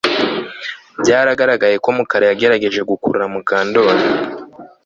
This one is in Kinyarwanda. Byaragaragaye ko Mukara yagerageje gukurura Mukandoli